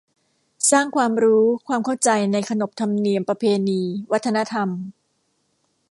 สร้างความรู้ ความเข้าใจในขนบธรรมเนียม ประเพณี วัฒนธรรม